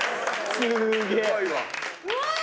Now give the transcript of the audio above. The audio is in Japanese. すごいわ。